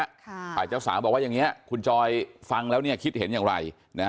อาจจะสาวบอกว่าอย่างนี้คุณจอยฟังแล้วคิดเห็นอย่างไร